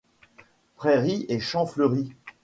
Prairies et champs fleuris.